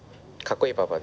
かっこいいパパ。